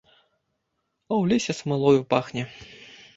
А ў лесе смалою пахне.